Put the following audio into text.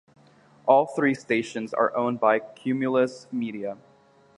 All three stations are owned by Cumulus Media.